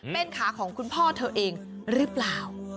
เป็นขาของคุณพ่อเธอเองหรือเปล่า